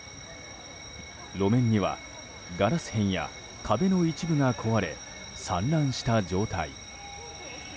路面には、ガラス片や壁の一部が壊れ、散乱した状態。